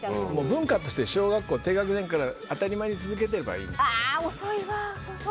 文化として小学校低学年から当たり前に続けてればいいんですよ。